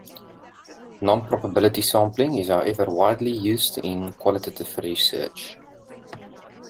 Non-probability sampling is however widely used in qualitative research.